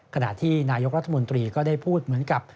ขณะที่นายกรัฐมนตรีก็ได้พูดเหมือนกับ